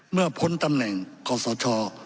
เมื่อพ้นตำแหน่งของสช